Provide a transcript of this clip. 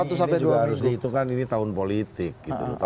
ini juga harus dihitungkan ini tahun politik gitu